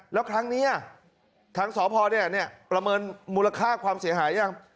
แล้วครั้งนี้ทางสอบภอร์เนี่ยประเมินมูลค่าความเสียหายหรือยัง